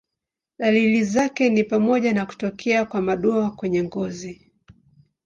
Dalili zake ni pamoja na kutokea kwa madoa kwenye ngozi.